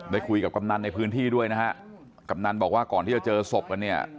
ได้คุยกับกำนันในพื้นที่ด้วยนะฮะกำนันบอกว่าก่อนที่จะเจอศพกันเนี่ย